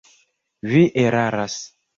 Vi eraras!